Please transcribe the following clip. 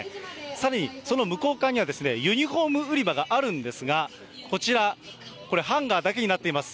さらにその向こう側にはユニホーム売り場があるんですが、こちら、これ、ハンガーだけになっています。